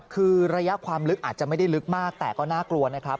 คือระยะความลึกอาจจะไม่ได้ลึกมากแต่ก็น่ากลัวนะครับ